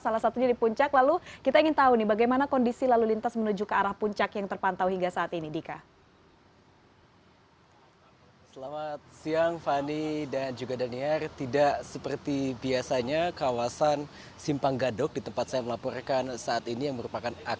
salah satunya di puncak lalu kita ingin tahu nih bagaimana kondisi lalu lintas menuju ke arah puncak yang terpantau hingga saat ini dika